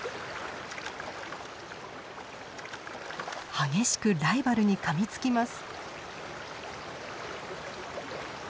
激しくライバルにかみつきます。